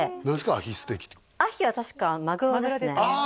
アヒステーキってアヒは確かマグロですねあ